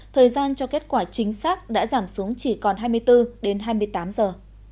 thời gian cho kết quả chính xác đã giảm xuống chỉ còn hai mươi bốn đến hai mươi tám giờ